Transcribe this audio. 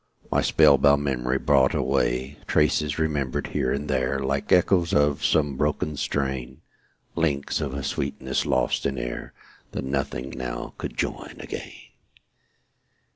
My spell bound memory brought away; Traces, remembered here and there, Like echoes of some broken strain; Links of a sweetness lost in air, That nothing now could join again.